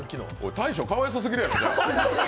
大昇かわいそうすぎるやろ。